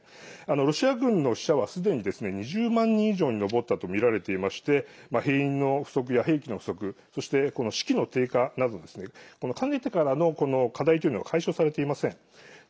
ロシア軍の死者はすでに２０万人以上に上ったとみられていまして兵員の不足や兵器の不足そして士気の低下などかねてからの課題というのが解消されていません。